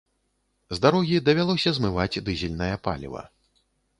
З дарогі давялося змываць дызельнае паліва.